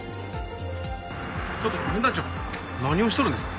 ちょっと分団長何をしとるんですか？